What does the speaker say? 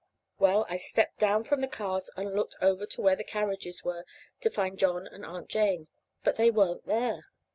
Well, I stepped down from the cars and looked over to where the carriages were to find John and Aunt Jane. But they weren't there.